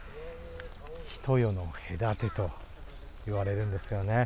一夜のへだてと言われるんですよね。